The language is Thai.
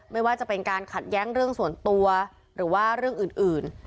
ไม่ว่าจะเป็นการขัดแย้งเรื่องส่วนตัวหรือว่าเรื่องอื่น